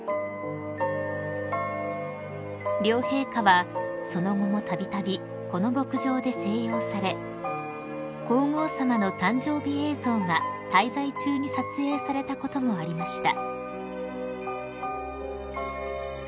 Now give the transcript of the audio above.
［両陛下はその後もたびたびこの牧場で静養され皇后さまの誕生日映像が滞在中に撮影されたこともありました］